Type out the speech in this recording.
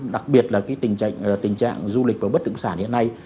đặc biệt là cái tình trạng du lịch và bất động sản hiện nay